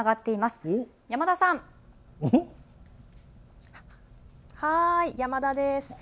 はい、山田です。